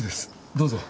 どうぞ。